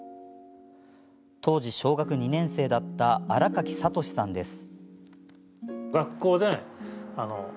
当時、小学２年生だった新垣敏さんです。